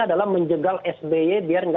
adalah menjegal sby biar